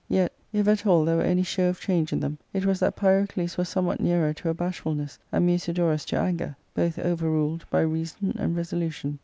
Yet, if at all there were any show of change in them, it was that Pyrocles was somewhat nearer to a bashfulness, and Musidorus to anger, both overruled by reason and resolution.